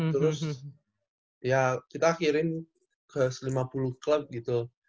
terus ya kita kirim ke lima puluh klub gitu